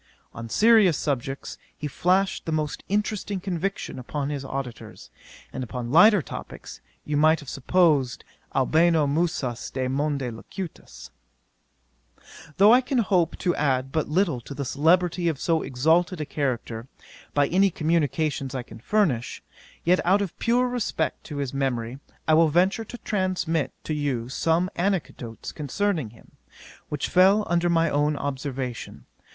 On serious subjects he flashed the most interesting conviction upon his auditors; and upon lighter topicks, you might have supposed Albano musas de monte locutas. 'Though I can hope to add but little to the celebrity of so exalted a character, by any communications I can furnish, yet out of pure respect to his memory, I will venture to transmit to you some anecdotes concerning him, which fell under my own observation.